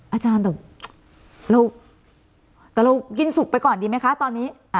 อาจารย์แต่เรากินสุกไปก่อนดีไหมคะตอนนี้